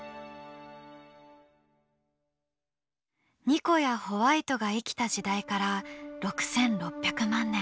ニコやホワイトが生きた時代から６，６００万年